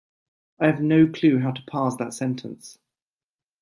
I have no clue how to parse that sentence.